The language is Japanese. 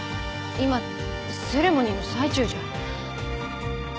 今セレモニーの最中じゃ。